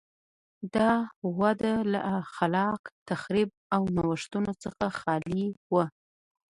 دا وده له خلاق تخریب او نوښتونو څخه خالي وه.